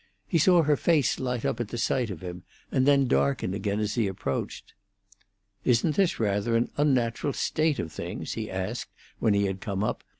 He saw her face light up at sight of him, and then darken again as he approached. "Isn't this rather an unnatural state of things?" he asked when he had come up.